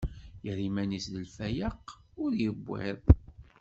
Irra iman-is d lfayeq, ur iwwiḍ.